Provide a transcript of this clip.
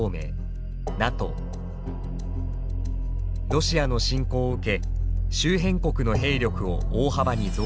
ロシアの侵攻を受け周辺国の兵力を大幅に増強。